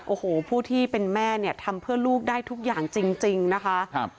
โอ้โหผู้ที่เป็นแม่เนี่ยทำเพื่อลูกได้ทุกอย่างจริงนะคะ